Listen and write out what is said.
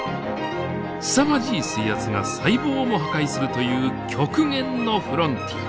すさまじい水圧が細胞をも破壊するという極限のフロンティア。